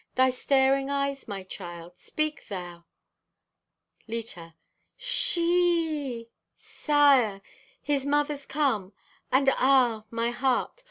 Thy staring eyes, my child! Speak thou!" (Leta) "Sh e e e! Sire, His mother's come! And, ah, my heart!